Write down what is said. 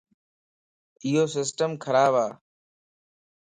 ايو سسٽم خراب ا.